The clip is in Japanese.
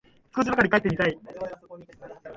少しばかり書いてみたい